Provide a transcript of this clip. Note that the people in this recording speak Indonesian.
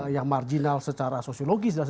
yang marginal secara sosiologis